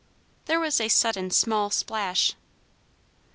There was a sudden small splash.